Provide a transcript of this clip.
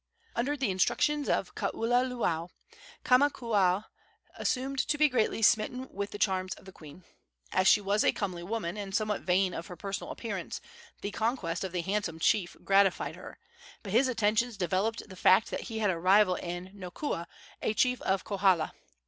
Under the instructions of Kaululaau, Kamakaua assumed to be greatly smitten with the charms of the queen. As she was a comely woman, and somewhat vain of her personal appearance, the conquest of the handsome chief gratified her; but his attentions developed the fact that he had a rival in Noakua, a chief of Kohala.